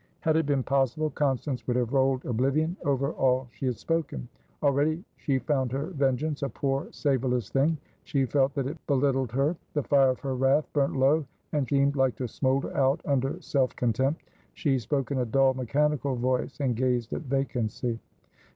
Had it been possible, Constance would have rolled oblivion over all she had spoken. Already she found her vengeance a poor, savourless thing; she felt that it belittled her. The fire of her wrath burnt low, and seemed like to smoulder out under self contempt. She spoke in a dull, mechanical voice, and gazed at vacancy.